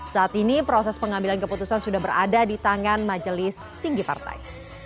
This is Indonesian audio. saat ini proses pengambilan keputusan sudah berada di tangan majelis tinggi partai